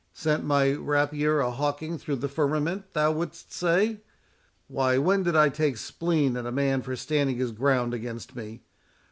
"Sent my rapier a hawking through the firmament, thou wouldst say? Why, when did I take spleen at a man for standing his ground against me?